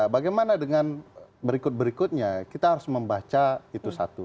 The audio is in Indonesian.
bagaimana dengan berikut berikutnya kita harus membaca itu satu